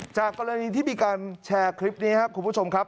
จากกรณีที่มีการแชร์คลิปนี้ครับคุณผู้ชมครับ